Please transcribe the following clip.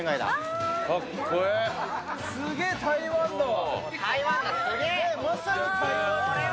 すげぇ、台湾だわ。